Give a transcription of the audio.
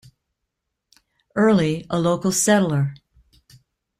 Early, a local settler.